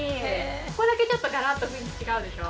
ここだけちょっとガラッと雰囲気違うでしょ。